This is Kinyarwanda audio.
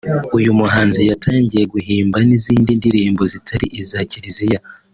uyu muhanzi yatangiye guhimba n’izindi ndirimbo zitari iza Kiriziya